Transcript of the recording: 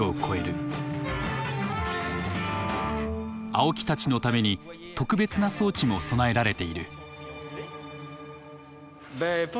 青木たちのために特別な装置も備えられている。